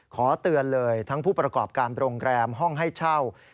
ขอเตือนเลยทั้งผู้ประกอบการโรงแรมห้องให้เช่า